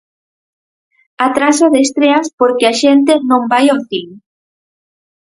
Atraso de estreas Por que a xente non vai ao cine?